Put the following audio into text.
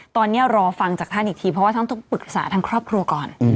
ตอนนี้รอฟังจากท่านอีกทีเพราะว่าท่านต้องปรึกษาทางครอบครัวก่อน